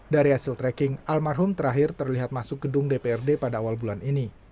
dari hasil tracking almarhum terakhir terlihat masuk gedung dprd pada awal bulan ini